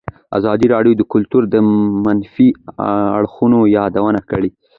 ازادي راډیو د کلتور د منفي اړخونو یادونه کړې.